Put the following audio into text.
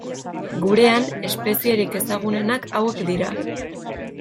Gurean, espezierik ezagunenak hauek dira.